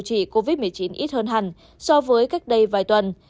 thuốc điều trị covid một mươi chín ít hơn hẳn so với cách đây vài tuần